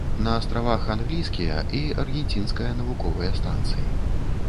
На астравах англійскія і аргенцінская навуковыя станцыі.